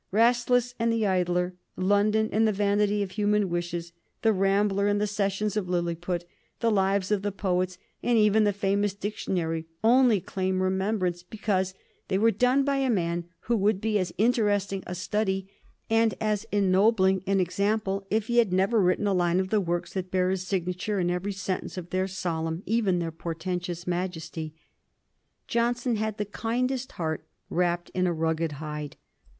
"Rasselas" and "The Idler," "London" and "The Vanity of Human Wishes," "The Rambler" and the "Sessions of Lilliput," and the "Lives of the Poets," and even the famous "Dictionary," only claim remembrance because they were done by a man who would be as interesting a study and as ennobling an example if he had never written a line of the works that bear his signature in every sentence of their solemn, even their portentous majesty. Johnson had the kindest heart wrapped in a rugged hide.